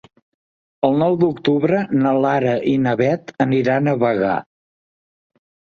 El nou d'octubre na Lara i na Beth aniran a Bagà.